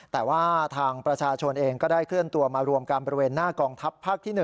แต่ว่าทางประชาชนเองก็ได้เคลื่อนตัวมารวมกันบริเวณหน้ากองทัพภาคที่๑